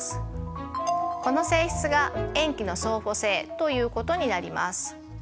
この性質が塩基の相補性ということになります。